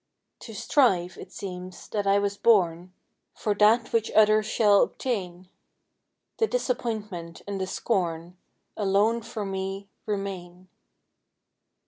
To strive, it seems, that I was born, For that which others shall obtain; The disappointment and the scorn Alone for me remain.